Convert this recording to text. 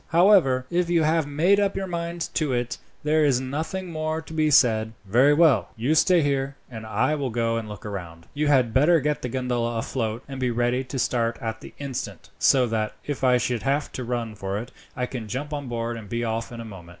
However, if you have made up your mind to it, there is nothing more to be said." "Very well. You stay here, and I will go and look round. You had better get the gondola afloat, and be ready to start at the instant, so that, if I should have to run for it, I can jump on board and be off in a moment."